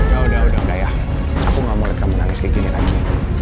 yaudah yaudah yaudah ya aku gak mau liat kamu nangis kayak gini lagi